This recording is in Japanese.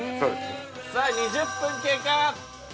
さあ２０分経過。